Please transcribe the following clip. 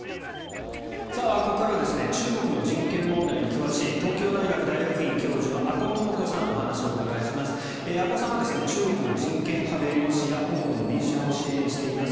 ここからは中国の人権問題に詳しい東京大学大学院教授の阿古智子さんにお話をお伺いします。